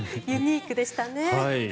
ユニークでしたね。